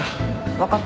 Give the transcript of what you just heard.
分かった。